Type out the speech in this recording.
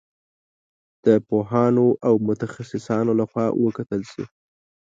د پوهانو او متخصصانو له خوا وکتل شي.